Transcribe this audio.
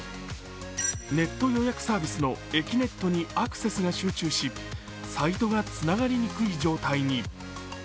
ネット予約サービスのえきねっとにアクセスが集中しサイトがつながりにくい状態に。